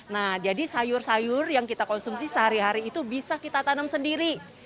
nah jadi sayur sayur yang kita konsumsi sehari hari itu bisa kita tanam sendiri